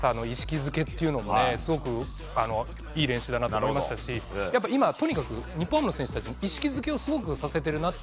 づけはすごくいい練習だと思いましたし今、とにかく日本の選手たちに意識づけをさせているなと。